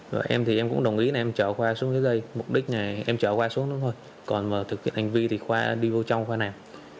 và em thì em cũng đồng ý là em chở khoa xuống dưới đây mục đích là em chở khoa xuống đó thôi còn mà thực hiện hành vi thì khoa đi vô trong khoa nào